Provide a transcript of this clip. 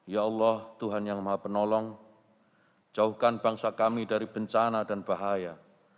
ya allah tuhan yang maha penolong jauhkan bangsa kami dari bencana dan bahaya